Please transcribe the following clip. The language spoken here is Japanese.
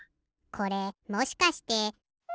これもしかして。